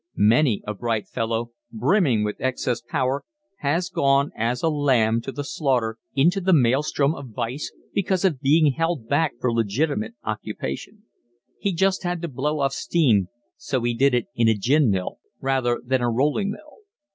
Many a bright fellow brimming with excess power has gone as a lamb to the slaughter into the maelstrom of vice because of being held back from legitimate occupation. He just had to blow off steam so he did it in a gin mill rather than a rolling mill.